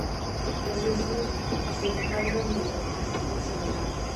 Es decir, se encargan de la digestión celular.